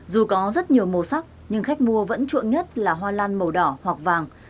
dù có rất nhiều màu sắc nhưng khách mua vẫn chuộng nhất là hoa lan màu đỏ hoặc vàng